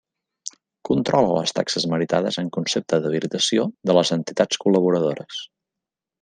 Controla les taxes meritades en concepte d'habilitació de les entitats col·laboradores.